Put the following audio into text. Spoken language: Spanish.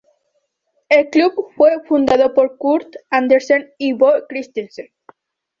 El club fue fundado por Kurt Andersen y Bo Kristensen.